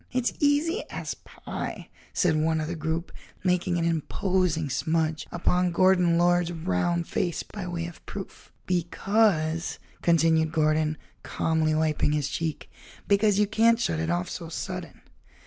"It's easy as pie," said one of the group, making an imposing smudge upon Gordon Lord's round face by way of proof. "Because," continued Gordon, calmly wiping his cheek, "because you can't shut it off so sudden."